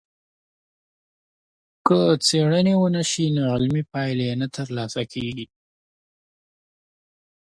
که څېړنه ونسي، نو علمي پايلې نه ترلاسه کيږي.